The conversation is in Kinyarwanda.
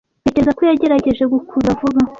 Ntekereza ko yagerageje gukurura vuba.